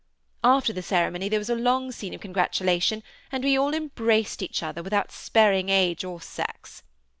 After the ceremony, there was a long scene of congratulation, and we all embraced each other, with out sparing age or sex.